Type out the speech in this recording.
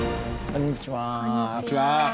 こんにちは。